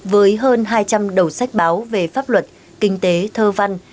với hơn hai trăm linh đầu sách báo về pháp luật kinh tế thơ văn